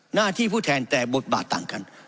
หน้าที่ผู้แทนแต่บทบาทต่างกัน